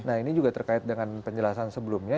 nah ini juga terkait dengan penjelasan sebelumnya